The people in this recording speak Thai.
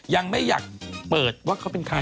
ยังไม่อยากเปิดว่าเขาเป็นใคร